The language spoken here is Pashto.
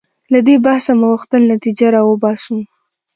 له دې بحثه مو غوښتل نتیجه راوباسو.